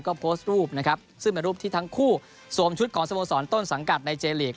ก็โพสต์รูปนะครับซึ่งเป็นรูปที่ทั้งคู่สวมชุดของสโมสรต้นสังกัดในเจลีก